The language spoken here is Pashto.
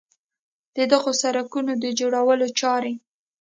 د دغو سړکونو د جوړولو چارې